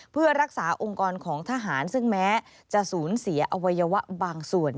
เพื่อรักษาองค์กรของทหารซึ่งแม้จะสูญเสียอวัยวะบางส่วน